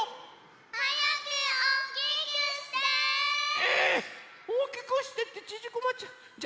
ええ⁉おおきくしてってちぢこまっちゃ。